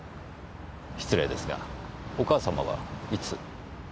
失礼ですがお母様はいつ？